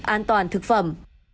an toàn thực phẩm